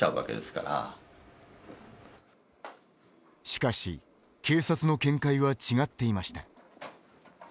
しかし、警察の見解は違っていました。